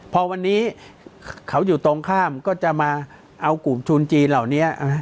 พอวันนี้เขาอยู่ตรงข้ามก็จะมาเอากลุ่มทุนจีนเหล่านี้